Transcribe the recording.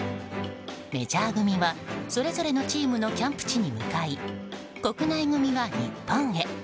メジャー組はそれぞれのチームのキャンプ地に向かい国内組は日本へ。